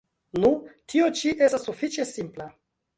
Nu, tio ĉi estas sufiĉe simpla.